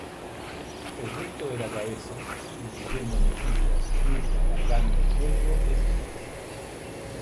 El resto de la cabeza, incluyendo mejillas, nuca, garganta y cuello, es gris.